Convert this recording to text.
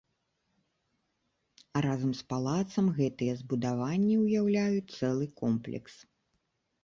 Разам з палацам гэтыя збудаванне ўяўляюць цэлы комплекс.